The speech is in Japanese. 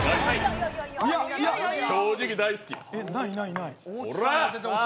正直大好き。